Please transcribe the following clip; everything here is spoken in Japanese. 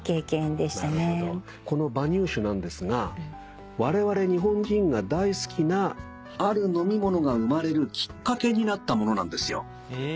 この馬乳酒なんですがわれわれ日本人が大好きなある飲み物が生まれるきっかけになったものなんですよ。え！？